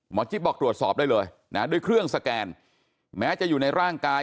จิ๊บบอกตรวจสอบได้เลยนะด้วยเครื่องสแกนแม้จะอยู่ในร่างกาย